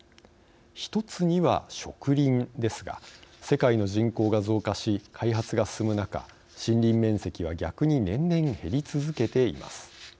１つには植林ですが世界の人口が増加し開発が進む中森林面積は逆に年々減り続けています。